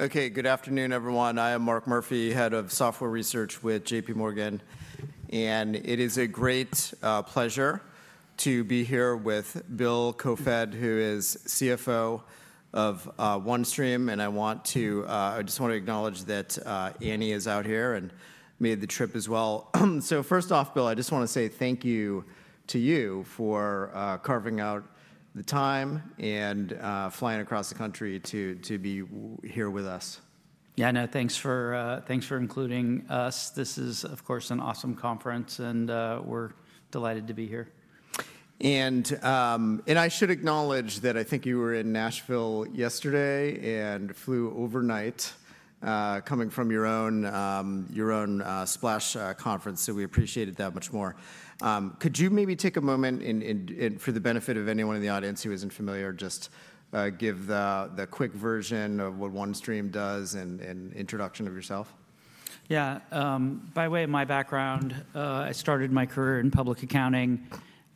Okay, good afternoon, everyone. I am Marc Murphy, head of software research with JPMorgan. It is a great pleasure to be here with Bill Koefoed, who is CFO of OneStream. I just want to acknowledge that Annie is out here and made the trip as well. First off, Bill, I just want to say thank you to you for carving out the time and flying across the country to be here with us. Yeah, no, thanks for including us. This is, of course, an awesome conference, and we're delighted to be here. I should acknowledge that I think you were in Nashville yesterday and flew overnight, coming from your own Splash conference, so we appreciate it that much more. Could you maybe take a moment for the benefit of anyone in the audience who isn't familiar, just give the quick version of what OneStream does and an introduction of yourself? Yeah, by way of my background, I started my career in public accounting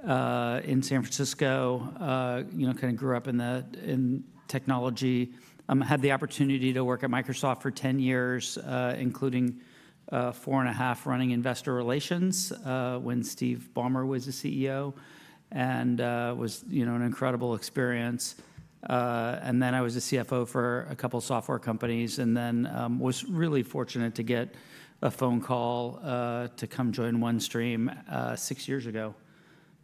in San Francisco, kind of grew up in technology. I had the opportunity to work at Microsoft for 10 years, including four and a half running investor relations when Steve Ballmer was the CEO. It was an incredible experience. I was the CFO for a couple of software companies and then was really fortunate to get a phone call to come join OneStream six years ago.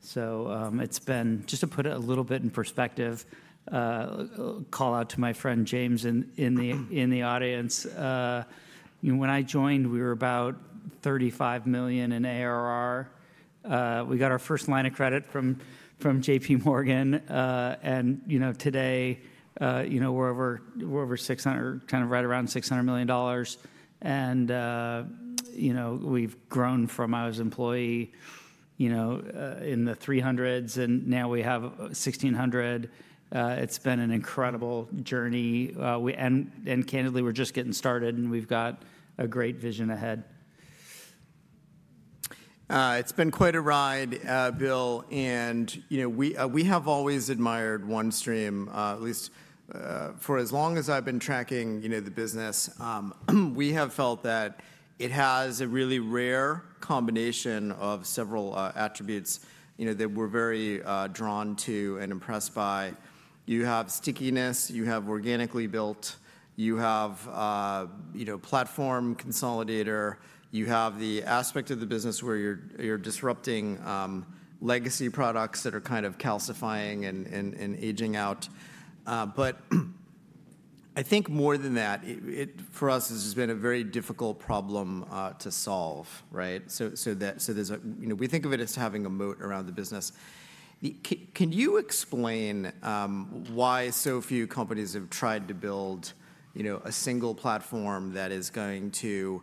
It's been, just to put it a little bit in perspective, call out to my friend James in the audience. When I joined, we were about $35 million in ARR. We got our first line of credit from JPMorgan. Today, we're over $600 million, kind of right around $600 million. We've grown from I was an employee in the 300s, and now we have 1,600. It's been an incredible journey. Candidly, we're just getting started, and we've got a great vision ahead. It's been quite a ride, Bill. We have always admired OneStream, at least for as long as I've been tracking the business. We have felt that it has a really rare combination of several attributes that we're very drawn to and impressed by. You have stickiness, you have organically built, you have platform consolidator, you have the aspect of the business where you're disrupting legacy products that are kind of calcifying and aging out. I think more than that, for us, it's just been a very difficult problem to solve, right? We think of it as having a moat around the business. Can you explain why so few companies have tried to build a single platform that is going to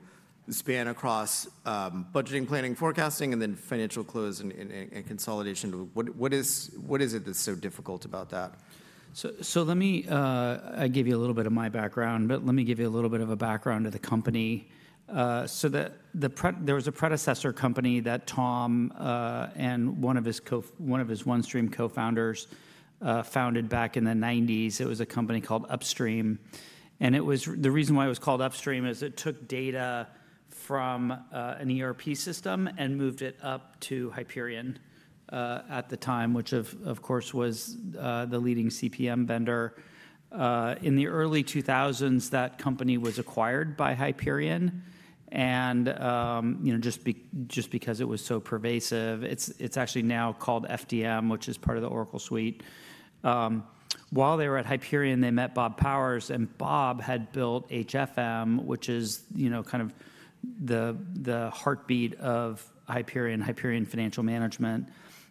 span across budgeting, planning, forecasting, and then financial close and consolidation? What is it that's so difficult about that? Let me give you a little bit of my background, but let me give you a little bit of a background to the company. There was a predecessor company that Tom and one of his OneStream co-founders founded back in the 1990s. It was a company called Upstream. The reason why it was called Upstream is it took data from an ERP system and moved it up to Hyperion at the time, which, of course, was the leading CPM vendor. In the early 2000s, that company was acquired by Hyperion. Just because it was so pervasive, it's actually now called FDM, which is part of the Oracle suite. While they were at Hyperion, they met Bob Powers, and Bob had built HFM, which is kind of the heartbeat of Hyperion, Hyperion Financial Management.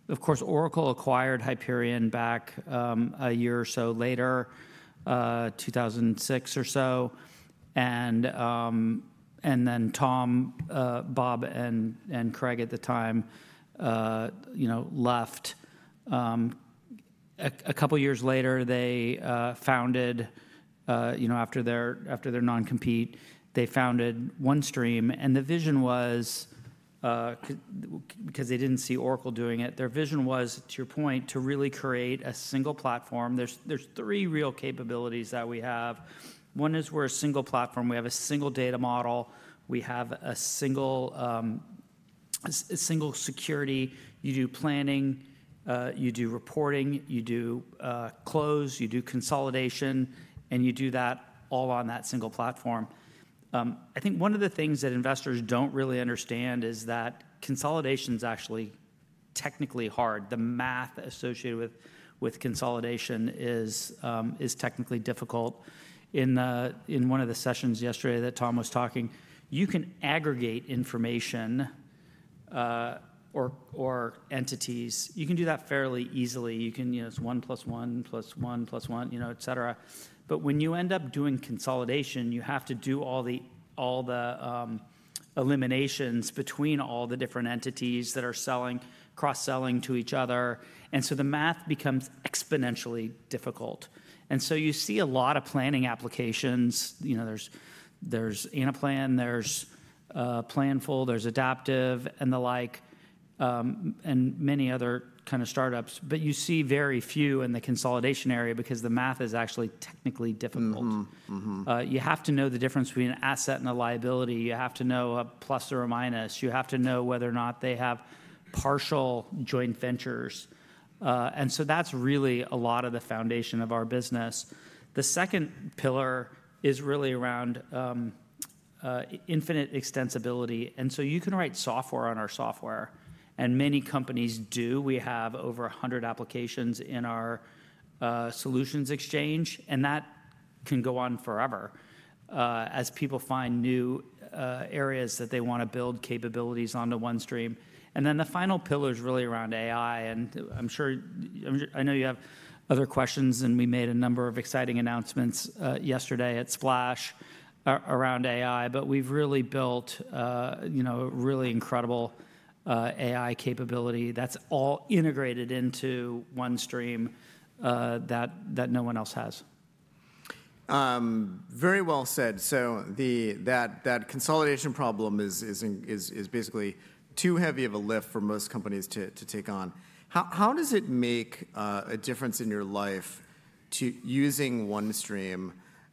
Of course, Oracle acquired Hyperion back a year or so later, 2006 or so. Tom, Bob, and Craig at the time left. A couple of years later, they founded, after their non-compete, they founded OneStream. The vision was, because they did not see Oracle doing it, their vision was, to your point, to really create a single platform. There are three real capabilities that we have. One is we are a single platform. We have a single data model. We have a single security. You do planning, you do reporting, you do close, you do consolidation, and you do that all on that single platform. I think one of the things that investors do not really understand is that consolidation is actually technically hard. The math associated with consolidation is technically difficult. In one of the sessions yesterday that Tom was talking, you can aggregate information or entities. You can do that fairly easily. You can, it's one plus one plus one plus one, et cetera. When you end up doing consolidation, you have to do all the eliminations between all the different entities that are cross-selling to each other. The math becomes exponentially difficult. You see a lot of planning applications. There's Anaplan, there's Planful, there's Adaptive, and the like, and many other kind of startups. You see very few in the consolidation area because the math is actually technically difficult. You have to know the difference between an asset and a liability. You have to know a plus or a minus. You have to know whether or not they have partial joint ventures. That's really a lot of the foundation of our business. The second pillar is really around infinite extensibility. You can write software on our software, and many companies do. We have over 100 applications in our solutions exchange, and that can go on forever as people find new areas that they want to build capabilities onto OneStream. The final pillar is really around AI. I know you have other questions, and we made a number of exciting announcements yesterday at Splash around AI, but we've really built a really incredible AI capability that's all integrated into OneStream that no one else has. Very well said. That consolidation problem is basically too heavy of a lift for most companies to take on. How does it make a difference in your life using OneStream?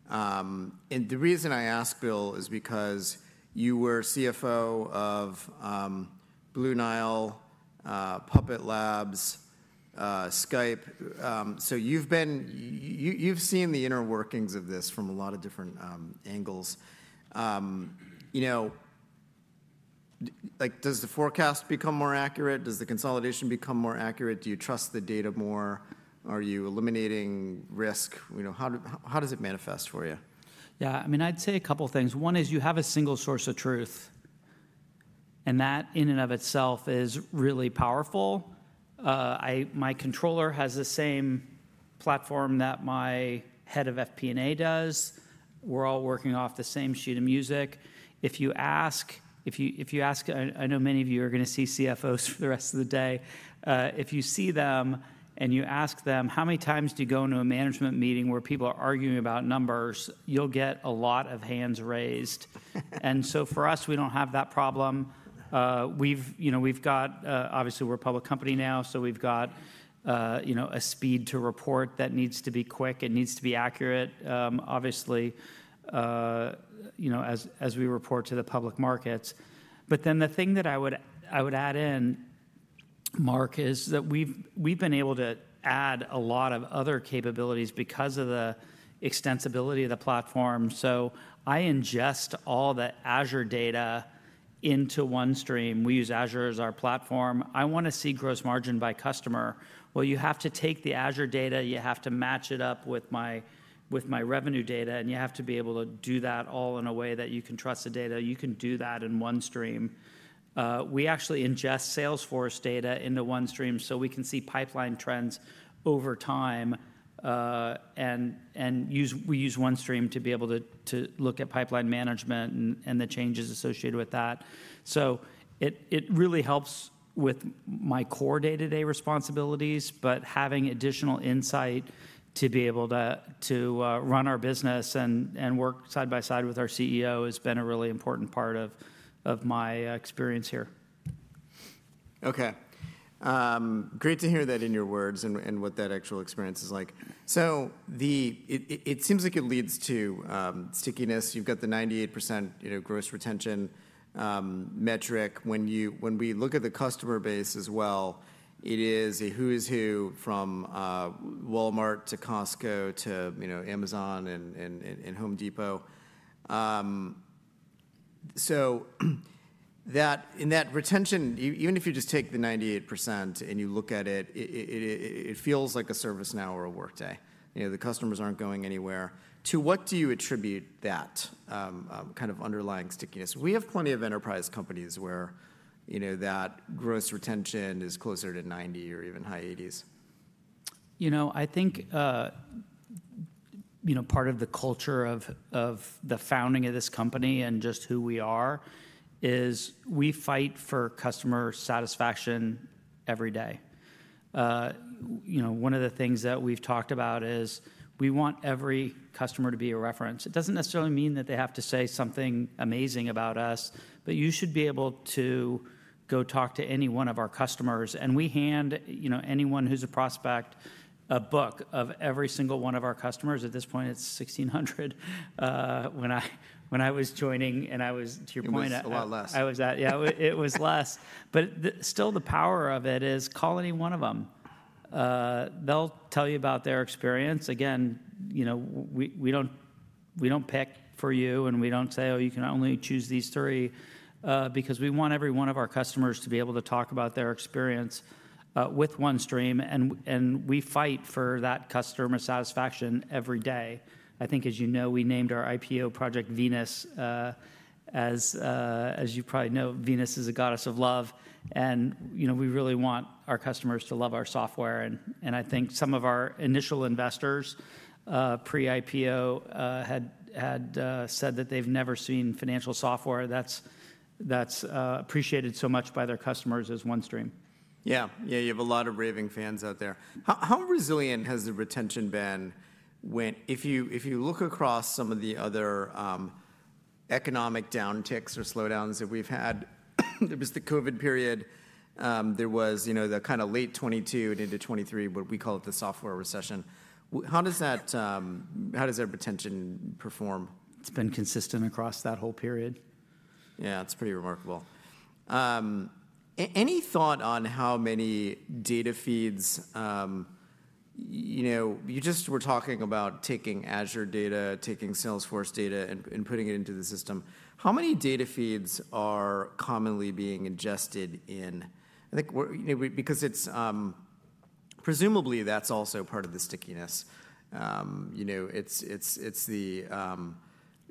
The reason I ask, Bill, is because you were CFO of Blue Nile, Puppet Labs, Skype. You have seen the inner workings of this from a lot of different angles. Does the forecast become more accurate? Does the consolidation become more accurate? Do you trust the data more? Are you eliminating risk? How does it manifest for you? Yeah, I mean, I'd say a couple of things. One is you have a single source of truth, and that in and of itself is really powerful. My Controller has the same platform that my head of FP&A does. We're all working off the same sheet of music. If you ask, I know many of you are going to see CFOs for the rest of the day. If you see them and you ask them, how many times do you go into a management meeting where people are arguing about numbers? You'll get a lot of hands raised. For us, we don't have that problem. We've got, obviously, we're a public company now, so we've got a speed to report that needs to be quick. It needs to be accurate, obviously, as we report to the public markets. The thing that I would add in, Mark, is that we've been able to add a lot of other capabilities because of the extensibility of the platform. I ingest all the Azure data into OneStream. We use Azure as our platform. I want to see gross margin by customer. You have to take the Azure data, you have to match it up with my revenue data, and you have to be able to do that all in a way that you can trust the data. You can do that in OneStream. We actually ingest Salesforce data into OneStream so we can see pipeline trends over time. We use OneStream to be able to look at pipeline management and the changes associated with that. It really helps with my core day-to-day responsibilities, but having additional insight to be able to run our business and work side by side with our CEO has been a really important part of my experience here. Okay, great to hear that in your words and what that actual experience is like. It seems like it leads to stickiness. You've got the 98% gross retention metric. When we look at the customer base as well, it is a who is who from Walmart to Costco to Amazon and Home Depot. In that retention, even if you just take the 98% and you look at it, it feels like a ServiceNow or a Workday. The customers aren't going anywhere. To what do you attribute that kind of underlying stickiness? We have plenty of enterprise companies where that gross retention is closer to 90 or even high 80s. You know, I think part of the culture of the founding of this company and just who we are is we fight for customer satisfaction every day. One of the things that we've talked about is we want every customer to be a reference. It doesn't necessarily mean that they have to say something amazing about us, but you should be able to go talk to any one of our customers. We hand anyone who's a prospect a book of every single one of our customers. At this point, it's 1,600 when I was joining. I was, to your point. It was a lot less. Yeah, it was less. Still, the power of it is call any one of them. They'll tell you about their experience. Again, we don't pick for you, and we don't say, oh, you can only choose these three because we want every one of our customers to be able to talk about their experience with OneStream. We fight for that customer satisfaction every day. I think, as you know, we named our IPO project Venus. As you probably know, Venus is a goddess of love. We really want our customers to love our software. I think some of our initial investors pre-IPO had said that they've never seen financial software that's appreciated so much by their customers as OneStream. Yeah, yeah, you have a lot of raving fans out there. How resilient has the retention been? If you look across some of the other economic downticks or slowdowns that we've had, there was the COVID period. There was the kind of late 2022 and into 2023, what we call it the software recession. How does that retention perform? It's been consistent across that whole period. Yeah, it's pretty remarkable. Any thought on how many data feeds? You just were talking about taking Azure data, taking Salesforce data, and putting it into the system. How many data feeds are commonly being ingested in? Because presumably that's also part of the stickiness.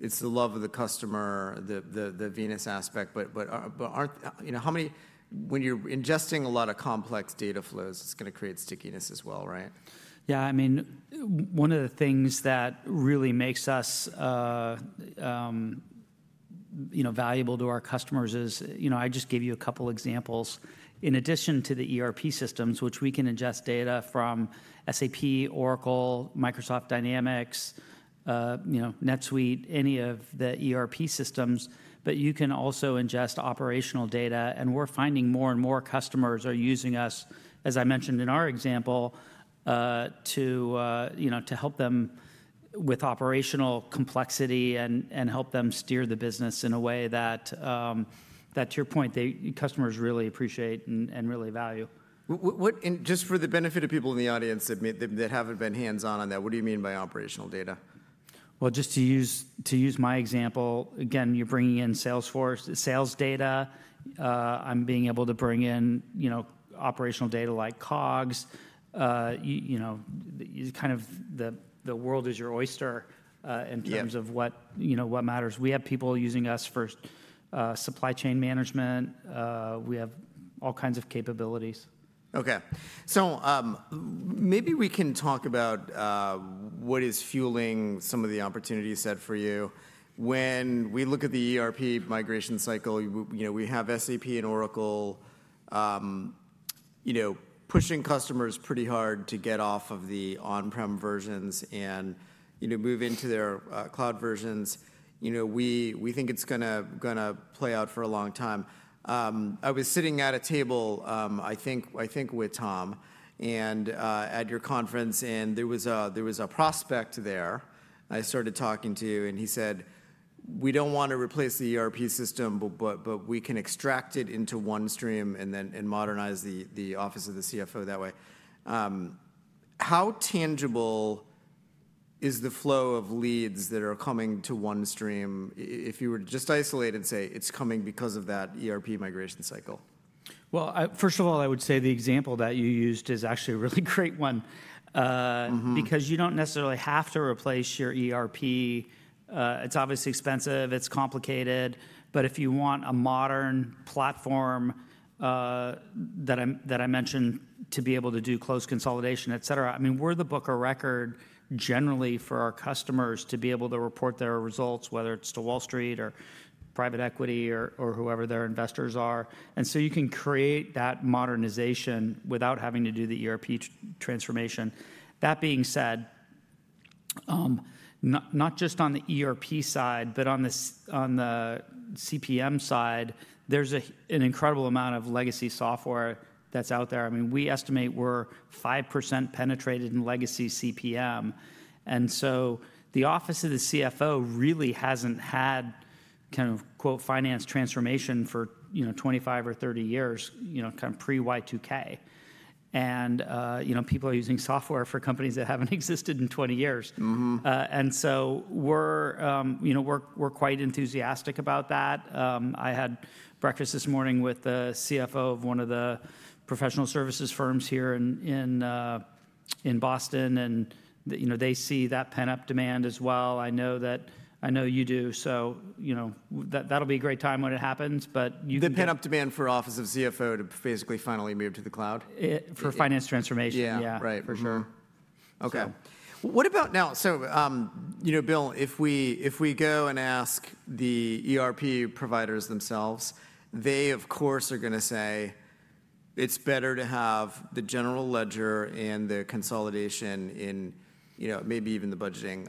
It's the love of the customer, the Venus aspect. When you're ingesting a lot of complex data flows, it's going to create stickiness as well, right? Yeah, I mean, one of the things that really makes us valuable to our customers is I just gave you a couple of examples. In addition to the ERP systems, which we can ingest data from SAP, Oracle, Microsoft Dynamics, NetSuite, any of the ERP systems, you can also ingest operational data. We're finding more and more customers are using us, as I mentioned in our example, to help them with operational complexity and help them steer the business in a way that, to your point, the customers really appreciate and really value. Just for the benefit of people in the audience that haven't been hands-on on that, what do you mean by operational data? Just to use my example, again, you're bringing in Salesforce sales data. I'm being able to bring in operational data like COGS. Kind of the world is your oyster in terms of what matters. We have people using us for supply chain management. We have all kinds of capabilities. Okay, so maybe we can talk about what is fueling some of the opportunities set for you. When we look at the ERP migration cycle, we have SAP and Oracle pushing customers pretty hard to get off of the on-prem versions and move into their cloud versions. We think it's going to play out for a long time. I was sitting at a table, I think, with Tom at your conference, and there was a prospect there. I started talking to you, and he said, we don't want to replace the ERP system, but we can extract it into OneStream and modernize the office of the CFO that way. How tangible is the flow of leads that are coming to OneStream if you were to just isolate and say it's coming because of that ERP migration cycle? First of all, I would say the example that you used is actually a really great one because you don't necessarily have to replace your ERP. It's obviously expensive. It's complicated. If you want a modern platform that I mentioned to be able to do close consolidation, et cetera, I mean, we're the book of record generally for our customers to be able to report their results, whether it's to Wall Street or private equity or whoever their investors are. You can create that modernization without having to do the ERP transformation. That being said, not just on the ERP side, but on the CPM side, there's an incredible amount of legacy software that's out there. I mean, we estimate we're 5% penetrated in legacy CPM. The office of the CFO really hasn't had kind of "finance transformation" for 25 or 30 years, kind of pre-Y2K. People are using software for companies that haven't existed in 20 years. We are quite enthusiastic about that. I had breakfast this morning with the CFO of one of the professional services firms here in Boston. They see that pent-up demand as well. I know you do. That will be a great time when it happens, but you can. The pent-up demand for office of CFO to basically finally move to the cloud? For finance transformation, yeah. Yeah, right, for sure. Okay, what about now? Bill, if we go and ask the ERP providers themselves, they, of course, are going to say it's better to have the general ledger and the consolidation and maybe even the budgeting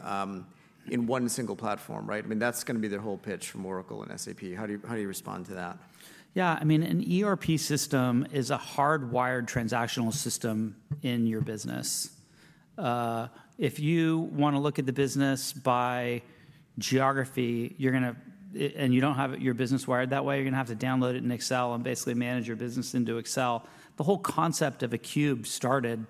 in one single platform, right? I mean, that's going to be their whole pitch from Oracle and SAP. How do you respond to that? Yeah, I mean, an ERP system is a hardwired transactional system in your business. If you want to look at the business by geography, and you don't have your business wired that way, you're going to have to download it in Excel and basically manage your business into Excel. The whole concept of a cube started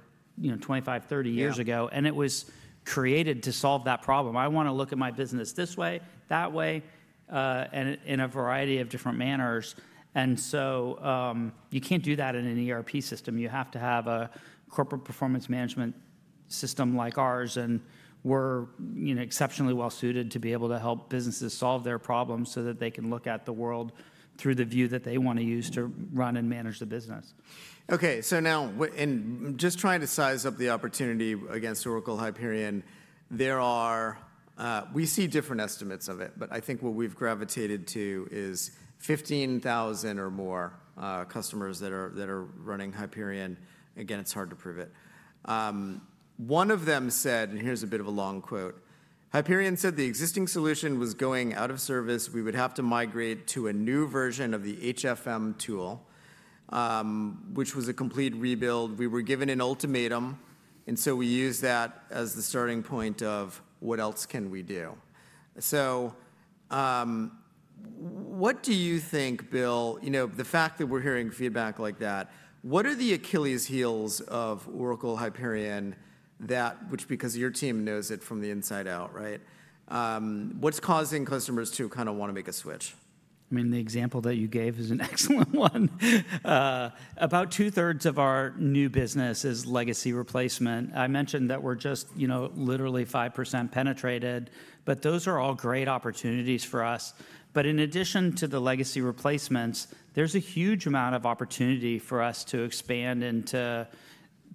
25, 30 years ago, and it was created to solve that problem. I want to look at my business this way, that way, and in a variety of different manners. You can't do that in an ERP system. You have to have a corporate performance management system like ours. We're exceptionally well suited to be able to help businesses solve their problems so that they can look at the world through the view that they want to use to run and manage the business. Okay, so now, and just trying to size up the opportunity against Oracle, Hyperion, we see different estimates of it. I think what we've gravitated to is 15,000 or more customers that are running Hyperion. Again, it's hard to prove it. One of them said, and here's a bit of a long quote, Hyperion said the existing solution was going out of service. We would have to migrate to a new version of the HFM tool, which was a complete rebuild. We were given an ultimatum. We used that as the starting point of what else can we do? What do you think, Bill, the fact that we're hearing feedback like that, what are the Achilles heels of Oracle, Hyperion, which because your team knows it from the inside out, right? What's causing customers to kind of want to make a switch? I mean, the example that you gave is an excellent one. About two-thirds of our new business is legacy replacement. I mentioned that we're just literally 5% penetrated. Those are all great opportunities for us. In addition to the legacy replacements, there's a huge amount of opportunity for us to expand into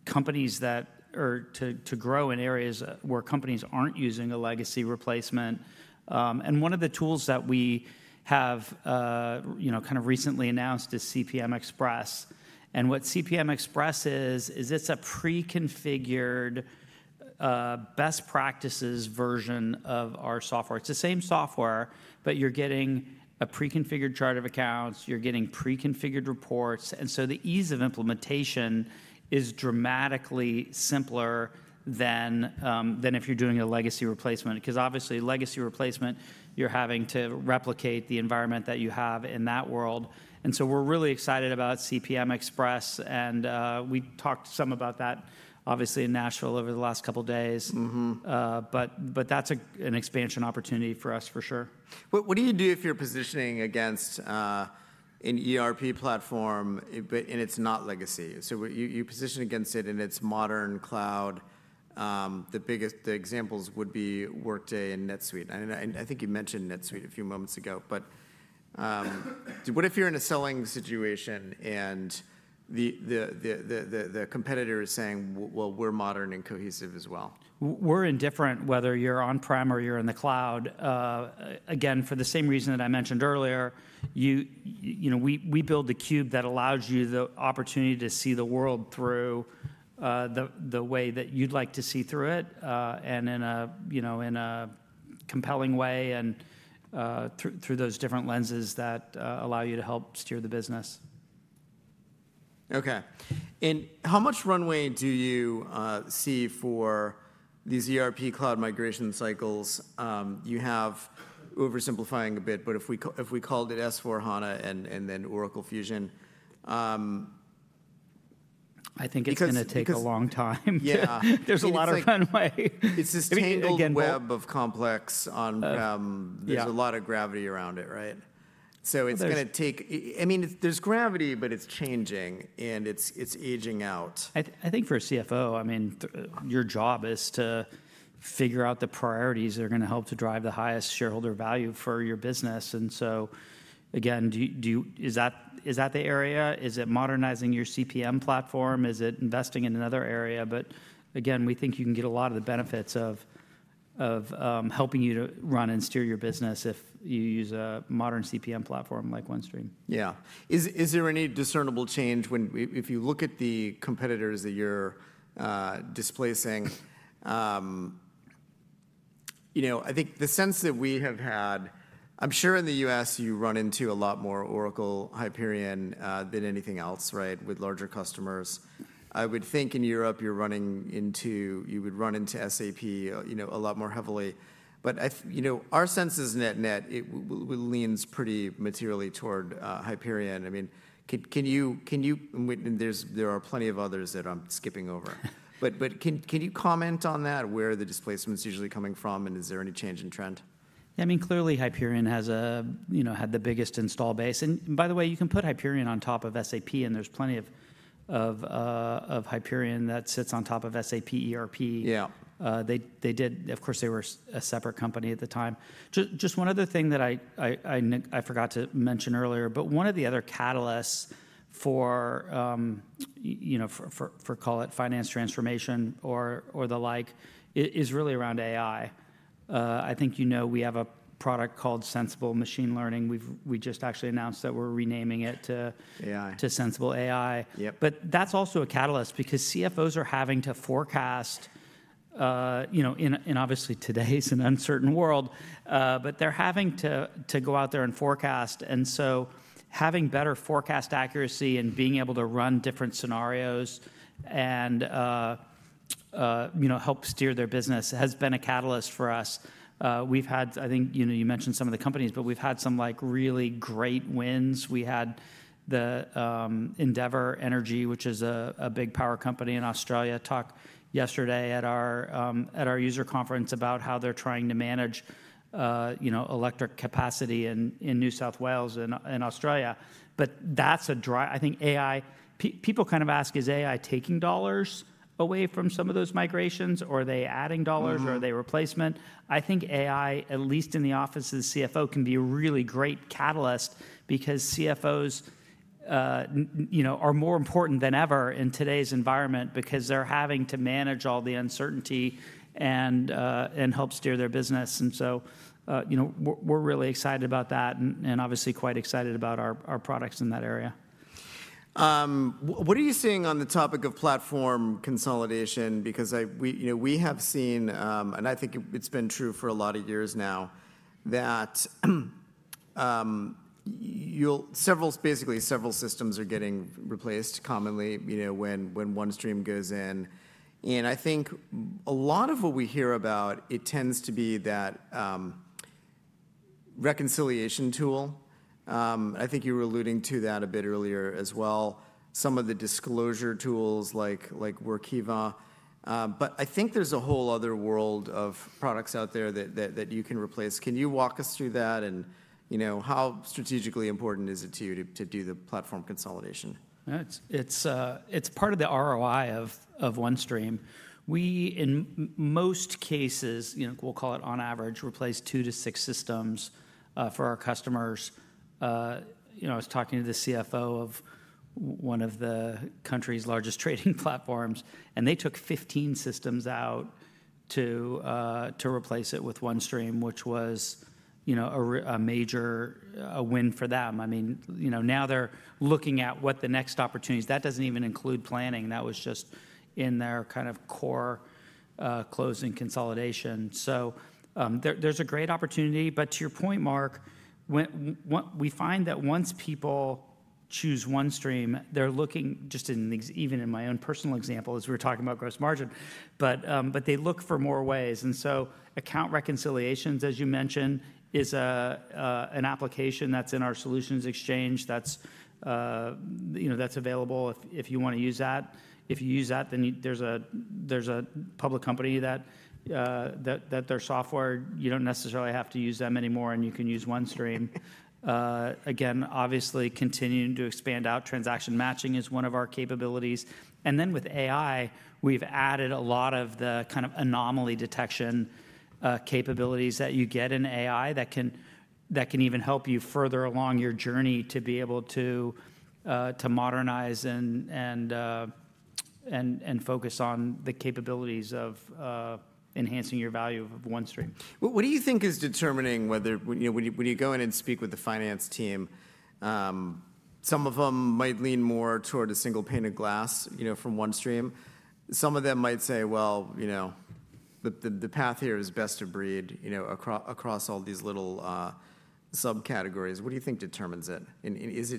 companies that are to grow in areas where companies aren't using a legacy replacement. One of the tools that we have kind of recently announced is CPM Express. What CPM Express is, is it's a pre-configured best practices version of our software. It's the same software, but you're getting a pre-configured chart of accounts. You're getting pre-configured reports. The ease of implementation is dramatically simpler than if you're doing a legacy replacement. Obviously, legacy replacement, you're having to replicate the environment that you have in that world. We are really excited about CPM Express. We talked some about that, obviously, in Nashville over the last couple of days. That is an expansion opportunity for us, for sure. What do you do if you're positioning against an ERP platform, and it's not legacy? You position against it, and it's modern cloud. The examples would be Workday and NetSuite. I think you mentioned NetSuite a few moments ago. What if you're in a selling situation, and the competitor is saying, well, we're modern and cohesive as well? We're indifferent whether you're on-prem or you're in the cloud. Again, for the same reason that I mentioned earlier, we build the cube that allows you the opportunity to see the world through the way that you'd like to see through it and in a compelling way and through those different lenses that allow you to help steer the business. Okay, and how much runway do you see for these ERP cloud migration cycles? You have, oversimplifying a bit, but if we called it S/4HANA and then Oracle Fusion. I think it's going to take a long time. Yeah, there's a lot of runway. It's a strangle web of complex on-prem. There's a lot of gravity around it, right? It's going to take, I mean, there's gravity, but it's changing, and it's aging out. I think for a CFO, I mean, your job is to figure out the priorities that are going to help to drive the highest shareholder value for your business. Again, is that the area? Is it modernizing your CPM platform? Is it investing in another area? Again, we think you can get a lot of the benefits of helping you to run and steer your business if you use a modern CPM platform like OneStream. Yeah, is there any discernible change when if you look at the competitors that you're displacing? I think the sense that we have had, I'm sure in the U.S. you run into a lot more Oracle, Hyperion than anything else, right, with larger customers. I would think in Europe you would run into SAP a lot more heavily. I mean, our sense is net-net leans pretty materially toward Hyperion. I mean, can you, and there are plenty of others that I'm skipping over. Can you comment on that? Where are the displacements usually coming from, and is there any change in trend? I mean, clearly Hyperion has had the biggest install base. And by the way, you can put Hyperion on top of SAP, and there is plenty of Hyperion that sits on top of SAP ERP. Yeah, they did, of course, they were a separate company at the time. Just one other thing that I forgot to mention earlier, but one of the other catalysts for, call it, finance transformation or the like is really around AI. I think you know we have a product called Sensible Machine Learning. We just actually announced that we are renaming it to Sensible AI. But that is also a catalyst because CFOs are having to forecast, and obviously today's an uncertain world, but they are having to go out there and forecast. And so having better forecast accuracy and being able to run different scenarios and help steer their business has been a catalyst for us. We've had, I think you mentioned some of the companies, but we've had some really great wins. We had Endeavour Energy, which is a big power company in Australia, talk yesterday at our user conference about how they're trying to manage electric capacity in New South Wales and Australia. That is a drive, I think AI, people kind of ask, is AI taking dollars away from some of those migrations, or are they adding dollars, or are they replacement? I think AI, at least in the office of the CFO, can be a really great catalyst because CFOs are more important than ever in today's environment because they're having to manage all the uncertainty and help steer their business. We are really excited about that and obviously quite excited about our products in that area. What are you seeing on the topic of platform consolidation? Because we have seen, and I think it's been true for a lot of years now, that several systems are getting replaced commonly when OneStream goes in. I think a lot of what we hear about, it tends to be that reconciliation tool. I think you were alluding to that a bit earlier as well, some of the disclosure tools like Workiva. I think there's a whole other world of products out there that you can replace. Can you walk us through that? How strategically important is it to you to do the platform consolidation? It's part of the ROI of OneStream. We in most cases, we'll call it on average, replace two to six systems for our customers. I was talking to the CFO of one of the country's largest trading platforms, and they took 15 systems out to replace it with OneStream, which was a major win for them. I mean, now they're looking at what the next opportunity is. That doesn't even include planning. That was just in their kind of core closing consolidation. There's a great opportunity. To your point, Mark, we find that once people choose OneStream, they're looking just in even in my own personal example as we were talking about gross margin, but they look for more ways. Account reconciliations, as you mentioned, is an application that's in our solutions exchange that's available if you want to use that. If you use that, then there's a public company that their software, you don't necessarily have to use them anymore, and you can use OneStream. Obviously, continuing to expand out transaction matching is one of our capabilities. With AI, we've added a lot of the kind of anomaly detection capabilities that you get in AI that can even help you further along your journey to be able to modernize and focus on the capabilities of enhancing your value of OneStream. What do you think is determining whether when you go in and speak with the finance team, some of them might lean more toward a single pane of glass from OneStream? Some of them might say, well, the path here is best of breed across all these little subcategories. What do you think determines it? Is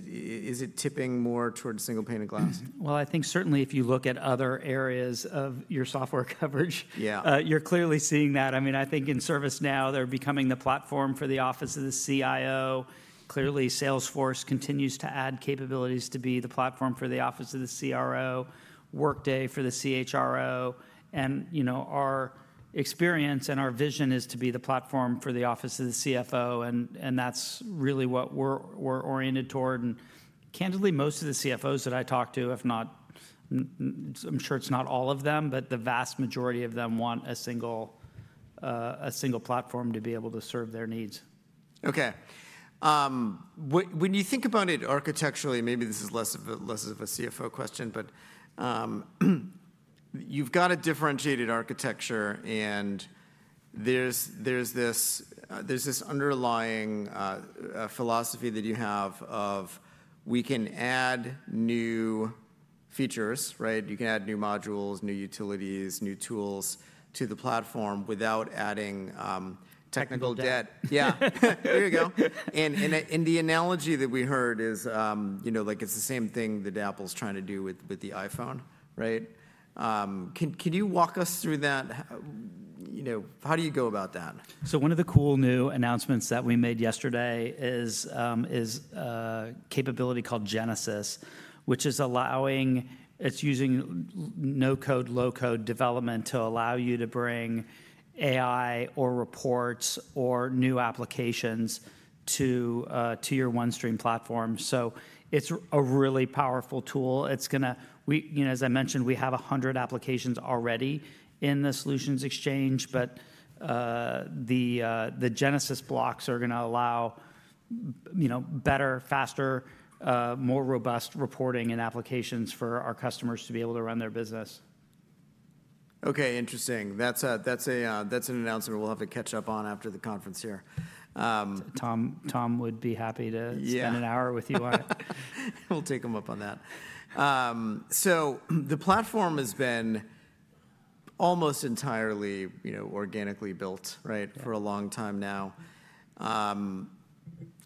it tipping more towards a single pane of glass? I think certainly if you look at other areas of your software coverage, you're clearly seeing that. I mean, I think in ServiceNow, they're becoming the platform for the Office of the CIO. Clearly, Salesforce continues to add capabilities to be the platform for the Office of the CRO, Workday for the CHRO. Our experience and our vision is to be the platform for the Office of the CFO. That's really what we're oriented toward. Candidly, most of the CFOs that I talk to, if not, I'm sure it's not all of them, but the vast majority of them want a single platform to be able to serve their needs. Okay, when you think about it architecturally, maybe this is less of a CFO question, but you've got a differentiated architecture. There's this underlying philosophy that you have of we can add new features, right? You can add new modules, new utilities, new tools to the platform without adding technical debt. Technical debt. Yeah, there you go. The analogy that we heard is like it's the same thing that Apple's trying to do with the iPhone, right? Can you walk us through that? How do you go about that? One of the cool new announcements that we made yesterday is a capability called Genesis, which is allowing, it's using no-code, low-code development to allow you to bring AI or reports or new applications to your OneStream platform. It's a really powerful tool. It's going to, as I mentioned, we have 100 applications already in the solutions exchange. The Genesis blocks are going to allow better, faster, more robust reporting and applications for our customers to be able to run their business. Okay, interesting. That's an announcement we'll have to catch up on after the conference here. Tom would be happy to spend an hour with you on it. We'll take him up on that. The platform has been almost entirely organically built, right, for a long time now.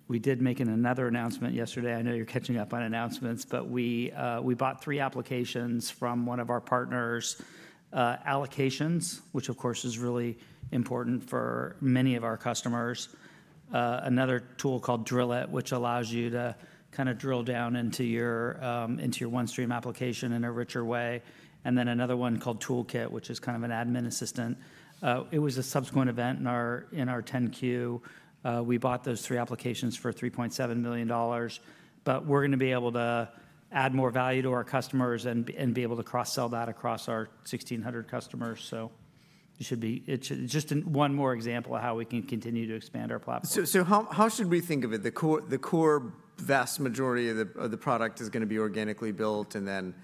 We did make another announcement yesterday. I know you're catching up on announcements. We bought three applications from one of our partners, Allocations, which of course is really important for many of our customers. Another tool called Drill It, which allows you to kind of drill down into your OneStream application in a richer way. Then another one called Toolkit, which is kind of an admin assistant. It was a subsequent event in our 10-Q. We bought those three applications for $3.7 million. We are going to be able to add more value to our customers and be able to cross-sell that across our 1,600 customers. It is just one more example of how we can continue to expand our platform. How should we think of it? The core vast majority of the product is going to be organically built. And then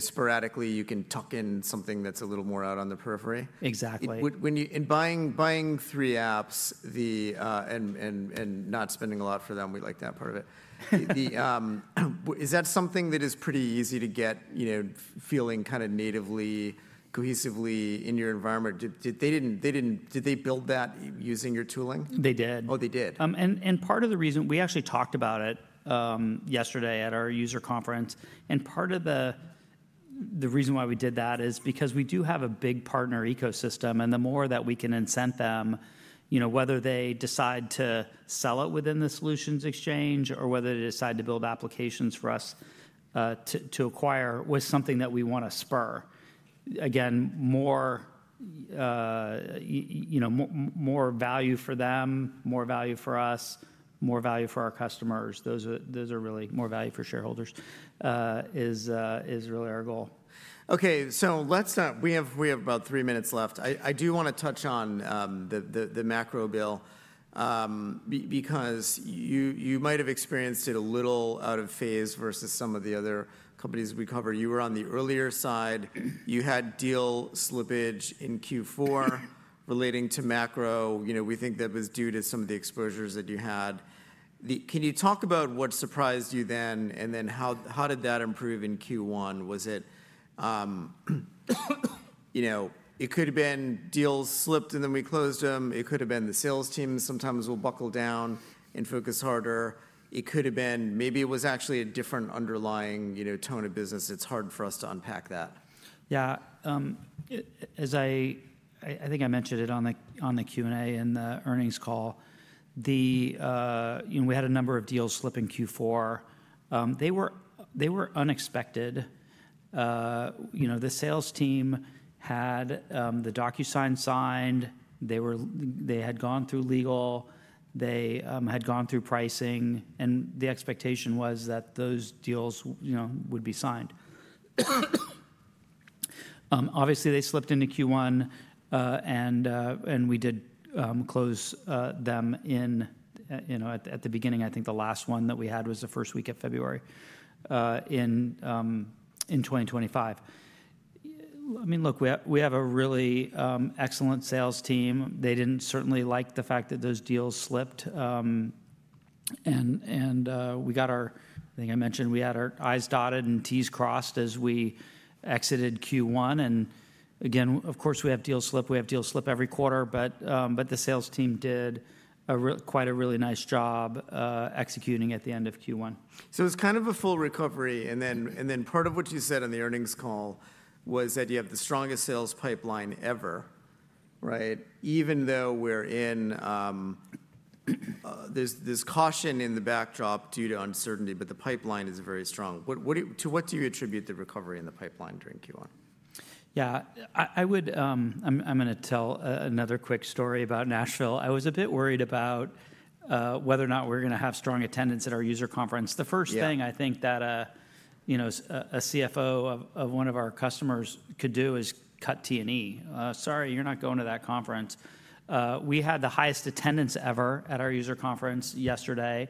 sporadically, you can tuck in something that's a little more out on the periphery. Exactly. Buying three apps and not spending a lot for them, we like that part of it. Is that something that is pretty easy to get, feeling kind of natively, cohesively in your environment? Did they build that using your tooling? They did. Oh, they did. Part of the reason, we actually talked about it yesterday at our user conference. Part of the reason why we did that is because we do have a big partner ecosystem. The more that we can incent them, whether they decide to sell it within the solutions exchange or whether they decide to build applications for us to acquire, was something that we want to spur. Again, more value for them, more value for us, more value for our customers, more value for shareholders is really our goal. Okay, so we have about three minutes left. I do want to touch on the macro, Bill, because you might have experienced it a little out of phase versus some of the other companies we cover. You were on the earlier side. You had deal slippage in Q4 relating to macro. We think that was due to some of the exposures that you had. Can you talk about what surprised you then? How did that improve in Q1? It could have been deals slipped and then we closed them. It could have been the sales team sometimes will buckle down and focus harder. It could have been maybe it was actually a different underlying tone of business. It's hard for us to unpack that. Yeah, as I think I mentioned it on the Q&A and the earnings call, we had a number of deals slip in Q4. They were unexpected. The sales team had the DocuSign signed. They had gone through legal. They had gone through pricing. The expectation was that those deals would be signed. Obviously, they slipped into Q1. We did close them at the beginning. I think the last one that we had was the first week of February in 2025. I mean, look, we have a really excellent sales team. They did not certainly like the fact that those deals slipped. I think I mentioned we had our i's dotted and t's crossed as we exited Q1. Again, of course, we have deals slip. We have deals slip every quarter. The sales team did quite a really nice job executing at the end of Q1. It's kind of a full recovery. Part of what you said on the earnings call was that you have the strongest sales pipeline ever, right? Even though there's this caution in the backdrop due to uncertainty, the pipeline is very strong. To what do you attribute the recovery in the pipeline during Q1? Yeah, I'm going to tell another quick story about Nashville. I was a bit worried about whether or not we're going to have strong attendance at our user conference. The first thing I think that a CFO of one of our customers could do is cut T&E. Sorry, you're not going to that conference. We had the highest attendance ever at our user conference yesterday.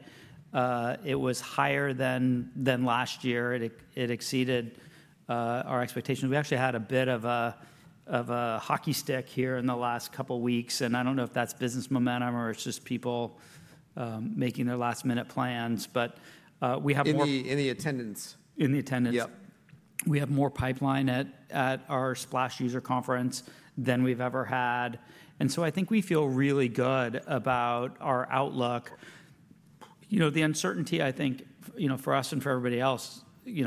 It was higher than last year. It exceeded our expectations. We actually had a bit of a hockey stick here in the last couple of weeks. I don't know if that's business momentum or it's just people making their last-minute plans. But we have more. In the attendance. In the attendance. Yep. We have more pipeline at our Splash user conference than we've ever had. I think we feel really good about our outlook. The uncertainty, I think, for us and for everybody else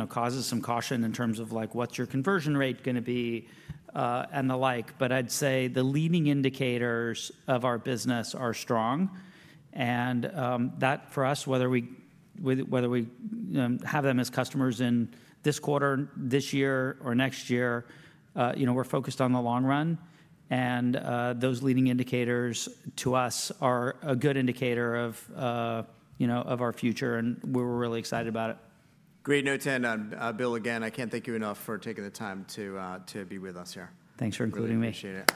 causes some caution in terms of what's your conversion rate going to be and the like. I'd say the leading indicators of our business are strong. For us, whether we have them as customers in this quarter, this year, or next year, we're focused on the long run. Those leading indicators to us are a good indicator of our future. We're really excited about it. Great note to end on. Bill, again, I can't thank you enough for taking the time to be with us here. Thanks for including me. Appreciate it.